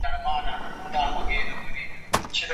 دوی مو د کلي د ډیوې اثر په کاڼو ولي